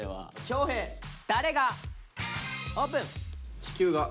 「地球」が。